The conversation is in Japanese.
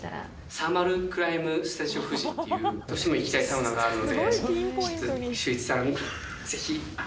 サーマルクライムスタジオ富士っていう、どうしても行きたいサウナがあるので、シューイチさん、ぜひ。